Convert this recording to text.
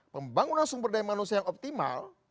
pembangunan sumber daya manusia yang optimal